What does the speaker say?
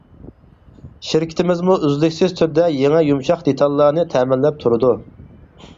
شىركىتىمىزمۇ ئۈزلۈكسىز تۈردە يېڭى يۇمشاق دېتاللارنى تەمىنلەپ تۇرىدۇ.